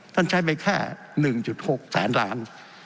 ใช้ไปแค่๑๖แสนล้าน